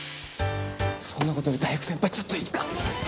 そんな事より大福先輩ちょっといいですか？